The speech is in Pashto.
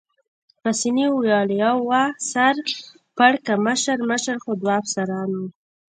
پاسیني وویل: یوه سر پړکمشر مشر خو دوه افسران وو.